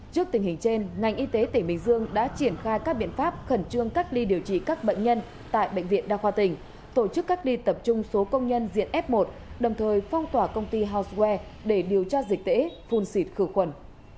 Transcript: trước tình hình trên ngành y tế tỉnh bình dương đã triển khai các biện pháp khẩn trương cách ly điều trị các bệnh nhân tại bệnh viện đa khoa tỉnh tổ chức cách ly tập trung số công nhân diện f một đồng thời phong tỏa công ty housire để điều tra dịch tễ phun xịt khử khuẩn